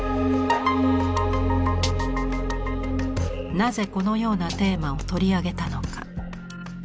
なぜこのようなテーマを取り上げたのか？